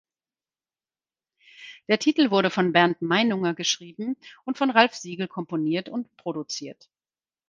Der Titel wurde von Bernd Meinunger geschrieben und von Ralph Siegel komponiert und produziert.